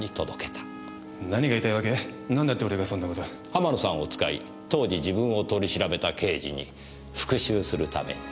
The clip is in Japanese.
浜野さんを使い当時自分を取り調べた刑事に復讐するために。